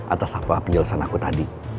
atas apa penjelasan aku tadi